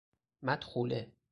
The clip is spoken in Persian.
مدخوله